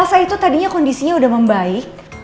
elsa itu tadinya kondisinya udah membaik